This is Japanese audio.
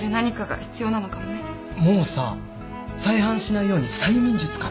もうさ再犯しないように催眠術かけちゃう。